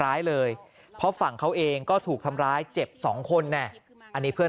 ร้ายเลยเพราะฝั่งเขาเองก็ถูกทำร้ายเจ็บสองคนอันนี้เพื่อน